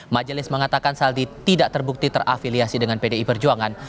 majelis mengatakan saldi tidak terbukti terafiliasi dengan pdi perjuangan